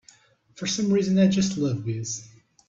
For some reason I just love bees.